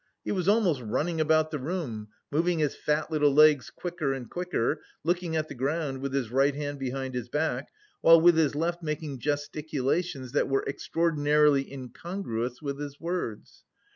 He was almost running about the room, moving his fat little legs quicker and quicker, looking at the ground, with his right hand behind his back, while with his left making gesticulations that were extraordinarily incongruous with his words.